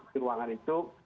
di ruangan itu